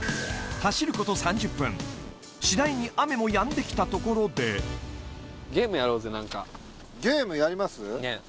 走ること３０分次第に雨もやんできたところでゲームやります？